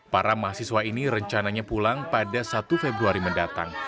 para mahasiswa ini rencananya pulang pada satu februari mendatang